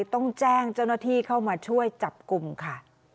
ต้องแจ้งเจ้าหน้าที่เข้ามาช่วยจับกลุ่มค่ะ